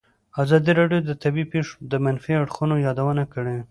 ازادي راډیو د طبیعي پېښې د منفي اړخونو یادونه کړې.